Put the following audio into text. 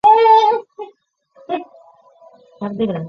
在长安去世。